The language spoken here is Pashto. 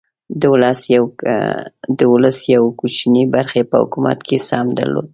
د ولس یوې کوچنۍ برخې په حکومت کې سهم درلود.